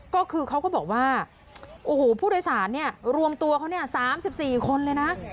ก็คือเขาก็บอกว่าโอ้โหผู้โดยสารรวมตัวเขา๓๔คนเลยนะ